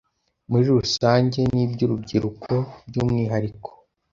muri rusange n’iby’urubyiruko by’umwihariko